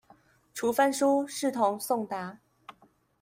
處分書視同送達